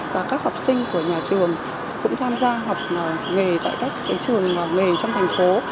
và các học sinh của nhà trường cũng tham gia học nghề tại các trường nghề trong thành phố